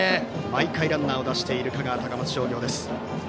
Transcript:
毎回ランナーを出している香川・高松商業です。